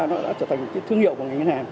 nó đã trở thành thương hiệu của ngân hàng